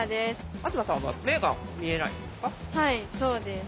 はいそうです。